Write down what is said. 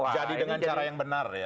jadi dengan cara yang benar ya